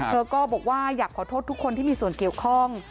เธอก็บอกว่าอยากขอโทษทุกคนที่มีส่วนเกี่ยวข้อง